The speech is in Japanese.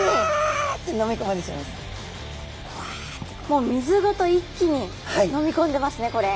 もう水ごと一気に飲みこんでますねこれ。